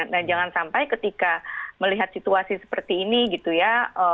nah jangan sampai ketika melihat situasi seperti ini gitu ya